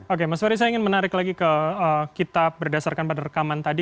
oke mas ferry saya ingin menarik lagi ke kita berdasarkan pada rekaman tadi